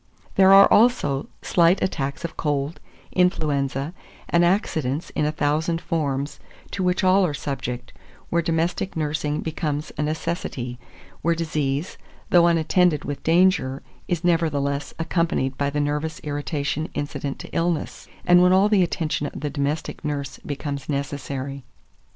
There are, also, slight attacks of cold, influenza, and accidents in a thousand forms, to which all are subject, where domestic nursing becomes a necessity; where disease, though unattended with danger, is nevertheless accompanied by the nervous irritation incident to illness, and when all the attention of the domestic nurse becomes necessary.